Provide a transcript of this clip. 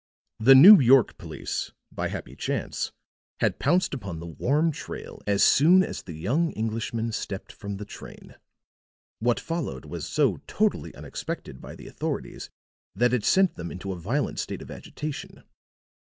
The New York police, by happy chance, had pounced upon the warm trail as soon as the young Englishman stepped from the train. What followed was so totally unexpected by the authorities that it set them into a violent state of agitation.